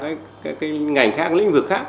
cái ngành khác lĩnh vực khác